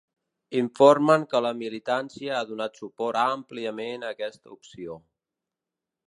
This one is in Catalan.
Informen que la militància ha donat suport àmpliament a aquesta opció.